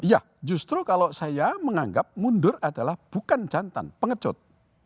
ya justru kalau saya menganggap mundur adalah bukan jantan pengecut